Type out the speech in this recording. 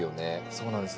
そうなんです。